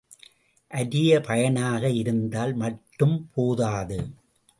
அரிய பயனாக இருந்தால் மட்டும் போதாது.